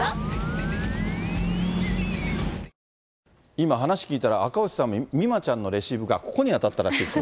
今、話聞いたら赤星さん、美誠ちゃんのレシーブが、ここに当たったらしいですよ。